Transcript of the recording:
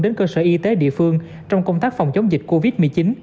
đến cơ sở y tế địa phương trong công tác phòng chống dịch covid một mươi chín